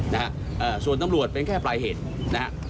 นะฮะส่วนน้ำรวดเป็นแค่ปลายเหตุนะฮะ